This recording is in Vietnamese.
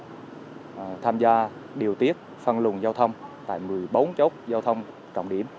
để tham gia điều tiết phân luận giao thông tại một mươi bốn chốc giao thông trọng điểm